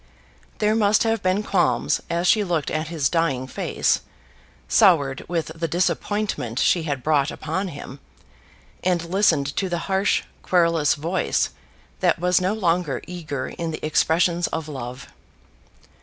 There must have been qualms as she looked at his dying face, soured with the disappointment she had brought upon him, and listened to the harsh querulous voice that was no longer eager in the expressions of love.